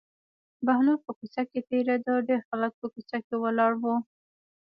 بهلول په کوڅه کې تېرېده ډېر خلک په کوڅه کې ولاړ وو.